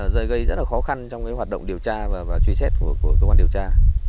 rồi gây rất khó khăn trong hoạt động điều tra và truy xét của cơ quan điều tra